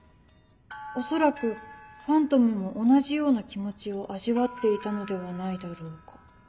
「恐らくファントムも同じような気持ちを味わっていたのではないだろうか」。